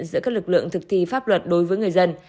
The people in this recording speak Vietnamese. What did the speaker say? giữa các lực lượng thực thi pháp luật đối với người dân